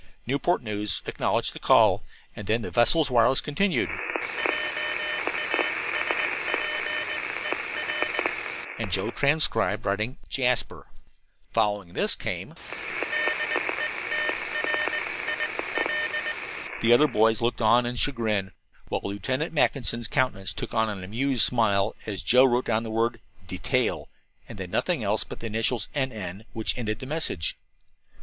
Newport News acknowledged the call, and then the vessel's wireless continued: .......... And Joe, transcribing, wrote: "JASPER." Following this came: ......... The other boys looked on in chagrin, while Lieutenant Mackinson's countenance took on an amused smile, as Joe wrote down the word "DETAIL," and then nothing else but the initials "N. N.," which ended the message.